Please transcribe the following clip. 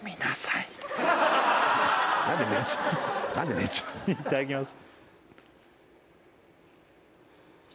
いただきます